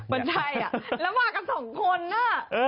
มันใช่อะระหว่างกับสองคนอ่ะ